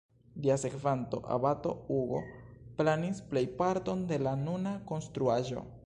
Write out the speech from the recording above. Lia sekvanto, abato Hugo, planis plejparton de la nuna konstruaĵo.